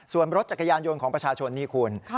ส่วนรถจักรยานยนต์ของประชาชนนี่คุณ